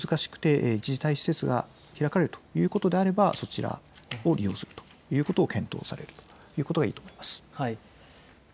一時滞在施設が開かれるということであればそちらを利用するということを検討されるのがいいと思います。